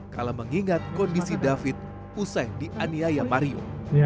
kalau mengingat kondisi david usai dianiaya mario